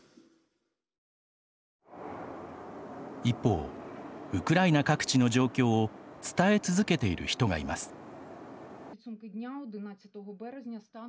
一方、ウクライナ各地の状況を伝え続けている人がいます。